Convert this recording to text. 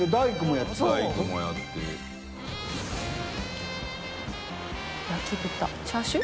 夏菜）「焼豚」チャーシュー？